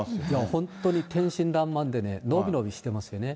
本当に天真らんまんでね、伸び伸びしてますよね。